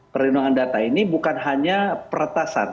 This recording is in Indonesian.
perlindungan data ini bukan hanya peretasan